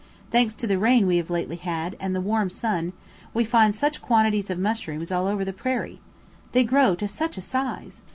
Thanks to the rain we have lately had, and the warm sun, we find such quantities of mushrooms all over the prairie. They grow to such a size!